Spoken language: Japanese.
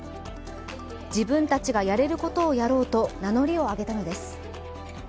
自分たちがやれることをやろうと名乗りを上げたのです。